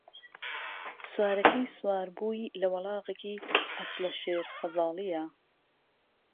سوارهکهی سوار بووی له وڵاغێکی عەسڵه شێر خەزاڵیيه